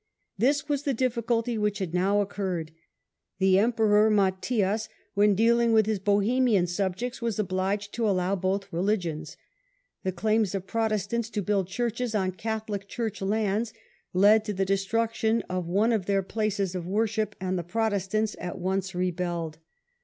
This was the difficulty which had now occurred. The Emperor Matthias, when dealing with his Bohemian subjects, was obliged to allow both religions. The claims of Protestants to build churches on Catholic church lands led to the destruction of one of their places of worship, and the Protestants at once rebelled.